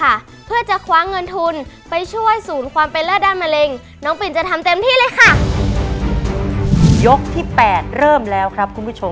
อ่ะหนูลองซิคะ